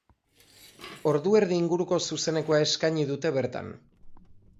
Ordu erdi inguruko zuzenekoa eskaini dute bertan.